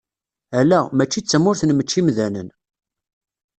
Ala, mačči d tamurt n mečč-imdanen!